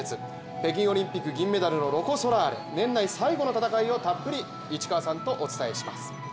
北京オリンピック銀メダルのロコ・ソラーレ、年内最後の戦いをたっぷり市川さんとお届けします。